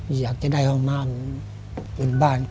อยากจะได้ห้องน้ำเป็นบ้าน